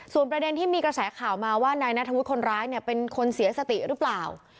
ประเด็นที่มีกระแสข่าวมาว่านายนัทธวุฒิคนร้ายเนี่ยเป็นคนเสียสติหรือเปล่า